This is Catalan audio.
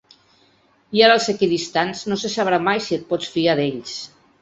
I ara els equidistants, no se sabrà mai si et pots fiar d’ells.